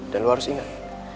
dan lo harus inget